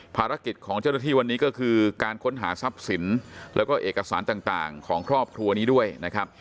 ภารกิจของเจ้าหน้าที่วันนี้ก็คือการค้นหาทรัพย์สินแล้วก็เอกสารต่างของครอบครัวนี้ด้วยนะครับ